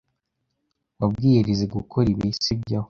Wabwiye Elyse gukora ibi, sibyo?